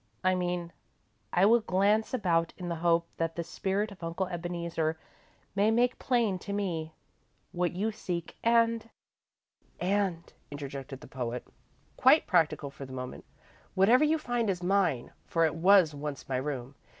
I mean, I will glance about in the hope that the spirit of Uncle Ebeneezer may make plain to me what you seek. And " "And," interjected the poet, quite practical for the moment, "whatever you find is mine, for it was once my room.